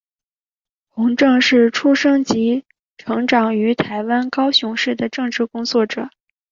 洪正是出生及成长于台湾高雄市的政治工作者。